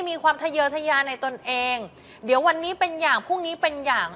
มีความทะเยอทยาในตนเองเดี๋ยววันนี้เป็นอย่างพรุ่งนี้เป็นอย่าง